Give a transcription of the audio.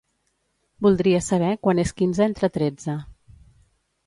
Voldria saber quant és quinze entre tretze.